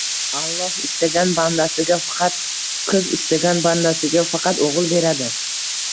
Alloh istagan bandasiga faqat qiz, istagan bandasiga faqat o‘g‘il beradi.